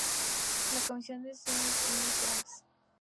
La comisión la integraban Sir Joseph Banks, Mr.